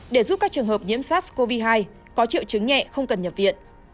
để giúp các trường hợp nhiễm sars cov hai có triệu chứng nhẹ không cần nhập viện